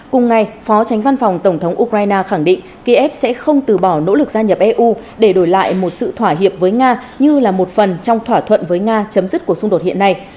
cùng ngày phó tránh văn phòng tổng thống ukraine khẳng định kiev sẽ không từ bỏ nỗ lực gia nhập eu để đổi lại một sự thỏa hiệp với nga như là một phần trong thỏa thuận với nga chấm dứt cuộc xung đột hiện nay